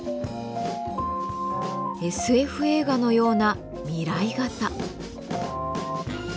ＳＦ映画のような未来型。